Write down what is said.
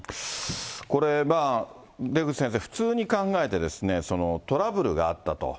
これ、出口先生、普通に考えてですね、トラブルがあったと。